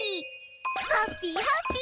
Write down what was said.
ハッピーハッピー！